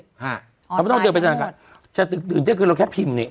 ใช่เราไม่ต้องเดินไปด้านค่ะจากอื่นที่เกิดเราแค่พิมพ์นี่